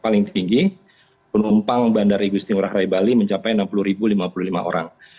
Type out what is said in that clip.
paling tinggi penumpang bandara igusti ngurah rai bali mencapai enam puluh lima puluh lima orang